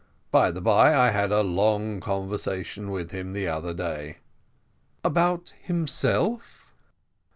By the bye, I had a long conversation with him the other day." "About himself?"